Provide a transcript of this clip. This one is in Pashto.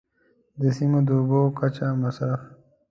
د سیمو د اوبو کچه، مصرف.